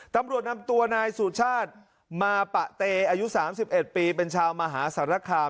ตำรวจนำตัวนายสูตรชาติมาปะเตอายุสามสิบเอ็ดปีเป็นชาวมหาสรรคาม